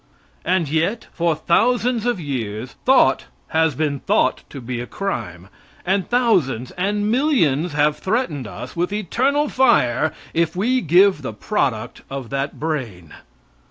And yet for thousands of years thought has been thought to be a crime, and thousands and millions have threatened us with eternal fire if we give the product of that brain.